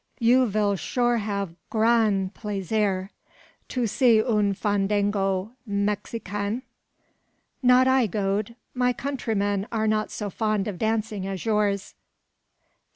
You vill sure have grand plaisir to see un fandango Mexicain?" "Not I, Gode. My countrymen are not so fond of dancing as yours."